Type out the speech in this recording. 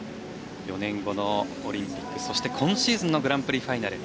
４年後のオリンピックそして今シーズンのグランプリファイナル。